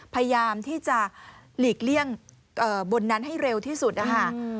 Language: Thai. พยายามที่จะหลีกเลี่ยงบนนั้นให้เร็วที่สุดนะคะ